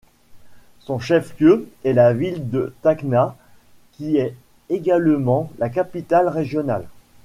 Son chef-lieu est la ville de Tacna, qui est également la capitale régionale.